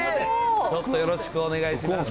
ちょっとよろしくお願いします。